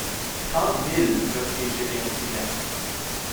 Trente milles! reprit Gédéon Spilett.